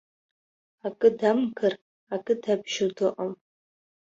Акы дамгар, акы дабжьо дыҟам.